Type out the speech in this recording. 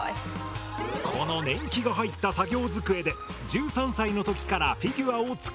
この年季が入った作業机で１３歳の時からフィギュアを作っている。